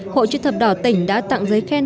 hội chuyên thập đỏ tỉnh đã tặng giấy khen